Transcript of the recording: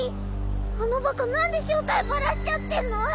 あのバカなんで正体バラしちゃってんの？